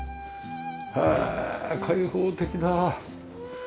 へえ開放的だ。